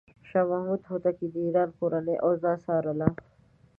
شاه محمود هوتکی د ایران کورنۍ اوضاع څارله.